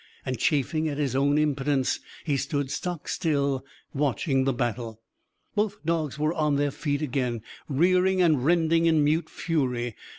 And, chafing at his own impotence, he stood stock still, watching the battle. Both dogs were on their feet again; rearing and rending in mute fury.